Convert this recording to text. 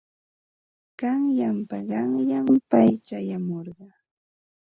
Qanyanpa qanyan pay chayamurqa.